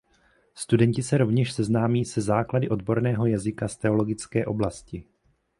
Studenti se rovněž seznámí se základy odborného jazyka z teologické oblasti.